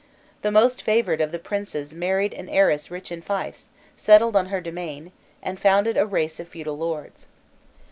The most favoured of the princes married an heiress rich in fiefs, settled on her domain, and founded a race of feudal lords.